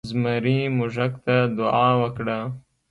زمري موږک ته دعا وکړه.